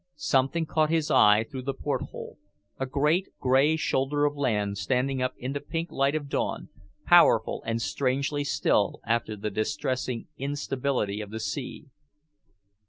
Something caught his eye through the porthole, a great grey shoulder of land standing up in the pink light of dawn, powerful and strangely still after the distressing instability of the sea.